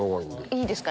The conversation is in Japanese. いいですか？